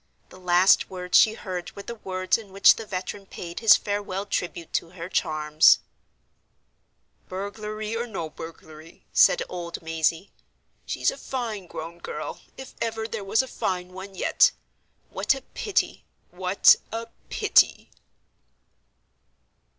The last words she heard were the words in which the veteran paid his farewell tribute to her charms: "Burglary or no burglary," said old Mazey, "she's a fine grown girl, if ever there was a fine one yet. What a pity! what a pity!"